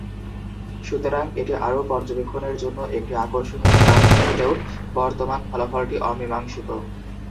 সুতরাং, এটি আরও পর্যবেক্ষণের জন্য একটি আকর্ষণীয় প্রার্থী হলেও বর্তমান ফলাফলটি অমীমাংসিত।